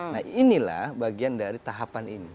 nah inilah bagian dari tahapan ini